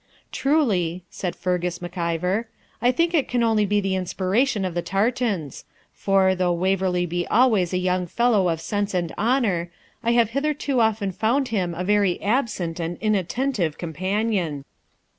'Truly,' said Fergus Mac Ivor, 'I think it can only be the inspiration of the tartans; for, though Waverley be always a young fellow of sense and honour, I have hitherto often found him a very absent and inattentive companion.'